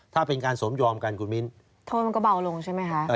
ถ้าเป็นการสมยอมกันคุณมิ้นโทษมันก็เบาลงใช่ไหมคะ